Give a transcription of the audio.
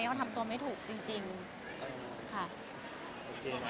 เขาทำตัวไม่ถูกจริงค่ะ